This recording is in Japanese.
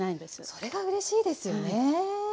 それがうれしいですよね。